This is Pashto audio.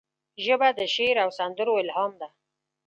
ژبه د شعر او سندرو الهام ده